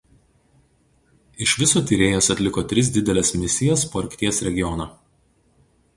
Iš viso tyrėjas atliko tris dideles misijas po Arkties regioną.